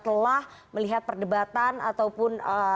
telah melihat perdebatan ataupun